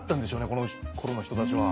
このころの人たちは。